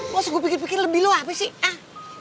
masa gue pikir pikir lebih lo apa sih